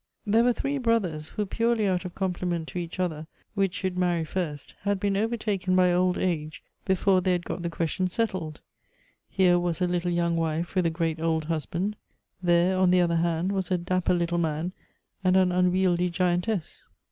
189 There were tliree brothers who, purely out of compli ment to each other, which should marry first, had been overtaken by old age before they had got the question settled ; here was a little young wife with a great old husband ; there, on the other hand, was a dapper little man and an unwieldy giantess.